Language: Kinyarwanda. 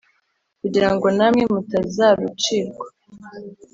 kugira ngo namwe mutazarucirwa